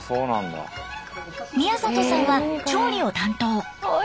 宮里さんは調理を担当。